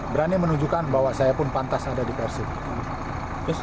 berani menunjukkan bahwa saya pun pantas ada di persib